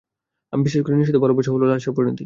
আমি বিশ্বাস করি, নিঃশর্ত ভালোবাসা হলো লালসার পরিণতি।